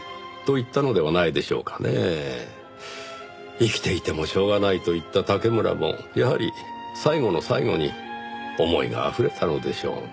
生きていてもしょうがないと言った竹村もやはり最後の最後に思いがあふれたのでしょう。